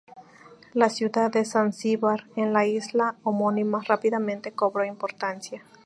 La ciudad de Zanzíbar, en la isla homónima, rápidamente cobró importancia.